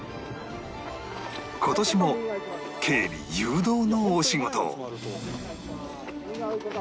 今年も警備・誘導のお仕事を